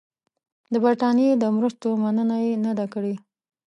د برټانیې د مرستو مننه یې نه ده کړې.